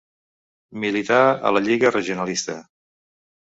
Milità a la Lliga Regionalista.